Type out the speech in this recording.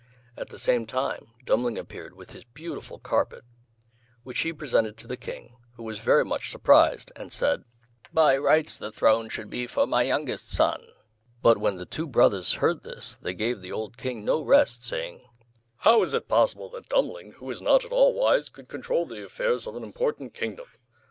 At the same time Dummling appeared with his beautiful carpet, which he presented to the King, who was very much surprised, and said "By rights the throne should be for my youngest son." But when the two brothers heard this, they gave the old King no rest, saying "How is it possible that Dummling, who is not at all wise, could control the affairs of an important kingdom?